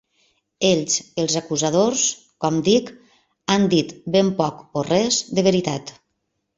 Ells, els acusadors, com dic, han dit ben poc o res de veritat.